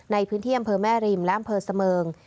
ในพื้นที่อำเภอแม่ริมและอำเภอเสมิง